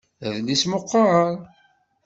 Adlis meqqer.